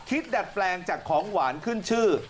ดัดแปลงจากของหวานขึ้นชื่อ